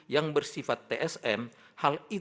yang bersifat tsm hal itu harus diselesaikan